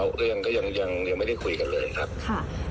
เขาก็ยังไม่ได้คุยกันเลยครับ